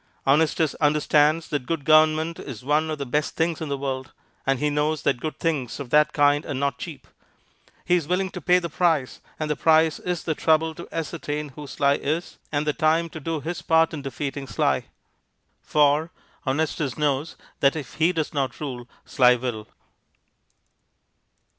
Honestus understands that good government is one of the best things in the world, and he knows that good things of that kind are not cheap. He is willing to pay the price, and the price is the trouble to ascertain who Sly is, and the time to do his part in defeating Sly. For Honestus knows that if he does not rule, Sly will.